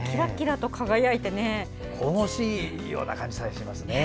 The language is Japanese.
神々しいような感じさえしますね。